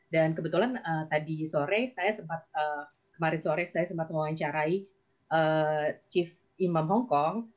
dan kebetulan tadi sore saya sempat kemarin sore saya sempat menguacarai chief imam hongkong